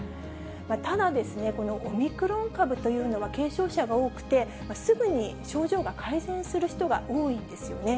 ただ、このオミクロン株というのは、軽症者が多くて、すぐに症状が改善する人が多いんですよね。